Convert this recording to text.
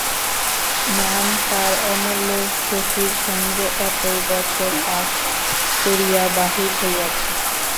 নাম তার অমূল্য, শশীর সঙ্গে একই বছর পাস করিয়া বাহির হইয়াছে।